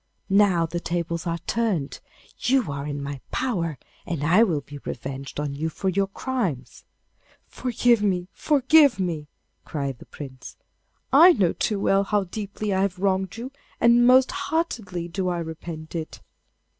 Now the tables are turned; you are in my power, and I will be revenged on you for your crimes.' 'Forgive me! forgive me!' cried the Prince; 'I know too well how deeply I have wronged you, and most heartily do I repent it.